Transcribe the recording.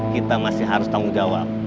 kita masih harus tanggung jawab